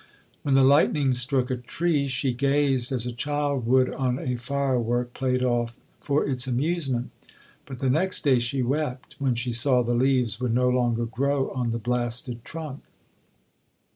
When the lightning struck a tree, she gazed as a child would on a fire work played off for its amusement; but the next day she wept, when she saw the leaves would no longer grow on the blasted trunk.